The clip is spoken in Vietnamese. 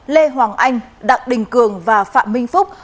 lê hoàng anh đặng đình cường và phạm minh phúc